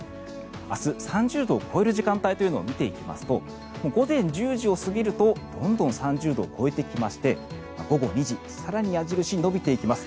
明日、３０度を超える時間帯というのを見ていきますと午前１０時を過ぎるとどんどん３０度を超えてきまして午後２時更に矢印伸びていきます。